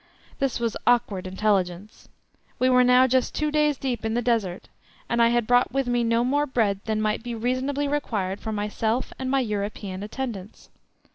This was awkward intelligence. We were now just two days deep in the Desert, and I had brought with me no more bread than might be reasonably required for myself and my European attendants.